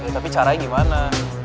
tapi caranya gimana